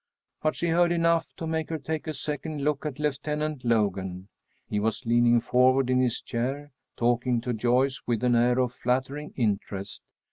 But she heard enough to make her take a second look at Lieutenant Logan. He was leaning forward in his chair, talking to Joyce with an air of flattering interest.